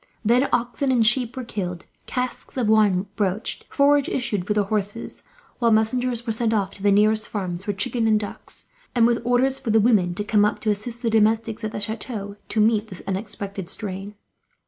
Then oxen and sheep were killed, casks of wine broached, forage issued for the horses; while messengers were sent off to the nearest farms for chicken and ducks, and with orders for the women to come up, to assist the domestics at the chateau to meet this unexpected strain.